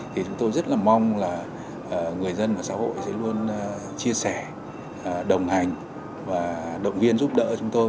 thì chúng tôi rất là mong là người dân và xã hội sẽ luôn chia sẻ đồng hành và động viên giúp đỡ chúng tôi